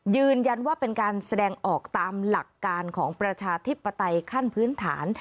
ยืนยันว่าเป็นการแสดงออกตามหลักการของประชาธิปไตยขั้นพื้นฐาน